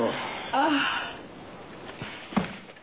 ああ。